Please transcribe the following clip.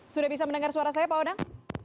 sudah bisa mendengar suara saya pak odang